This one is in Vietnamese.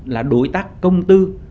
là đối tác công tư